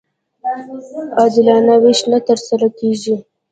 عادلانه وېش نه ترسره کېږي.